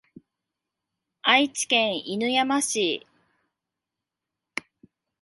愛知県犬山市